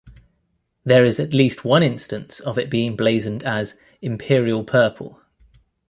There is at least one instance of it being blazoned as "Imperial Purple".